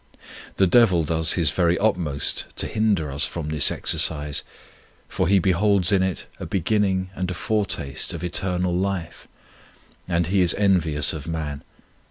1 The Devil does his very utmost to hinder us from this exercise, for he beholds in it a beginning and a foretaste of eternal life, and he is envious of man.